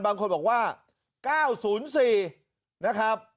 บางคนบอกว่า๙๐๔นะครับ